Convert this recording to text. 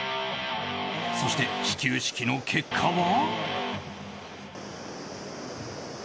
そして、始球式の結果は。